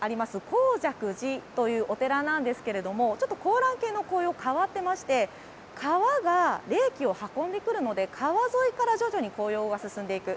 香積寺というお寺なんですが、ちょっと香嵐渓の変わっていまして、川が冷気を運んできますので川沿いから徐々に紅葉が進んでいく。